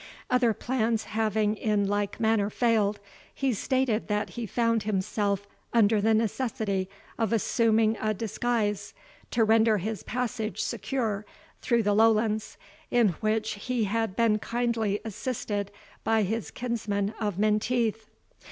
Other plans having in like manner failed, he stated that he found himself under the necessity of assuming a disguise to render his passage secure through the Lowlands, in which he had been kindly assisted by his kinsman of Menteith.